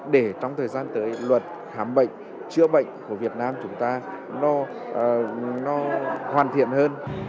để trong thời gian tới luật khám bệnh chữa bệnh của việt nam chúng ta nó hoàn thiện hơn